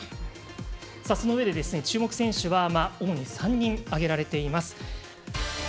そのうえで注目選手は主に３人挙げられています。